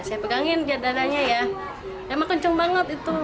saya pegangin dada dadanya ya ya makuncung banget itu